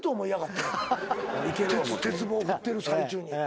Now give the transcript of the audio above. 鉄棒振ってる最中に。